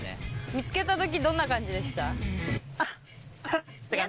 見つけた時どんな感じでした？